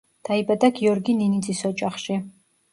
დაიბადა გიორგი ნინიძის ოჯახში.